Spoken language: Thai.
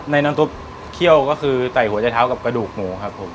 น้ำซุปเคี่ยวก็คือใส่หัวใจเท้ากับกระดูกหมูครับผม